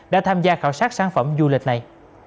đã tham gia khảo sát sản phẩm du lịch này